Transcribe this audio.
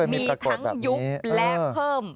มีทั้งยุบและเพิ่ม